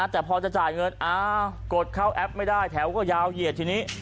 แต่พอจะจ่ายเงินอ้าวกดเข้าแอปไม่ได้แถวก็ยาวเหยียดทีนี้